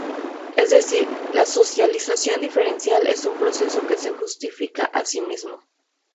Es decir, la socialización diferencial es un proceso que se justifica a sí mismo.